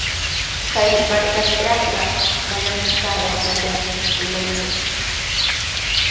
Kay markatrawqa manami sara apita mikuyanku.